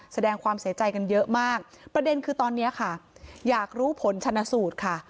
แสดงความเสียใจกันเยอะมากประเด็นคือตอนนี้ค่ะอยากรู้ผลชนะสูตรค่ะ